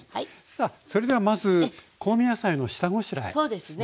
さあそれではまず香味野菜の下ごしらえですね。